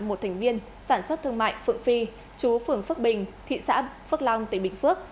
một thành viên sản xuất thương mại phượng phi chú phường phước bình thị xã phước long tỉnh bình phước